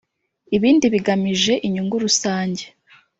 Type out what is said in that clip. ibindi bigamije inyungu rusange .